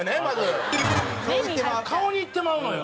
顔にいってまうのよ。